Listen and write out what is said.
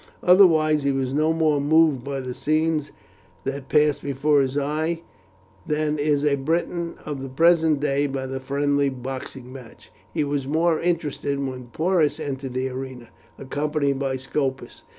Otherwise he was no more moved by the scenes that passed before his eyes than is a Briton of the present day by a friendly boxing match. He was more interested when Porus entered the arena, accompanied by Scopus.